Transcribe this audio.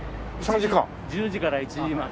１０時から１時まで。